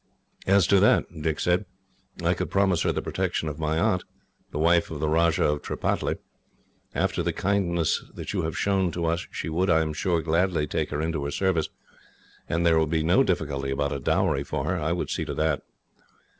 "As to that," Dick said, "I could promise her the protection of my aunt, the wife of the Rajah of Tripataly. After the kindness that you have shown to us she would, I am sure, gladly take her into her service. And there would be no difficulty about a dowry for her. I would see to that."